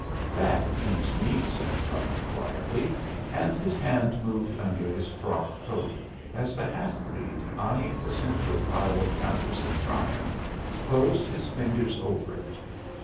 "That beats me," said Cutler, quietly, and his hand moved under his frock coat, as the half breed, eyeing the central pile of counters in triumph, closed his fingers over it.